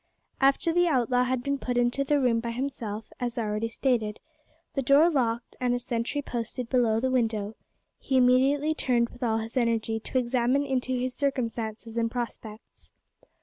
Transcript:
After the outlaw had been put into the room by himself, as already stated, the door locked, and a sentry posted below the window, he immediately turned with all his energy to examine into his circumstances and prospects.